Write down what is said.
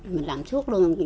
mình làm suốt luôn